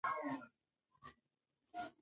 هغه د سستي پر وړاندې جدي و.